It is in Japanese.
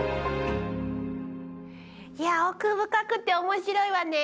いやぁ奥深くて面白いわね。